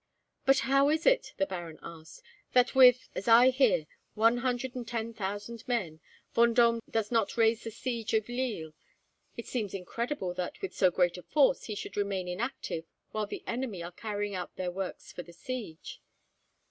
"But how is it," the baron asked, "that with, as I hear, one hundred and ten thousand men, Vendome does not raise the siege of Lille? It seems incredible that, with so great a force, he should remain inactive while the enemy are carrying out their works for the siege."